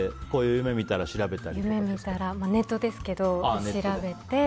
夢見たらネットですけど調べて。